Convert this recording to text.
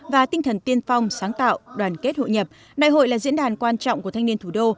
và tinh thần tiên phong sáng tạo đoàn kết hội nhập đại hội là diễn đàn quan trọng của thanh niên thủ đô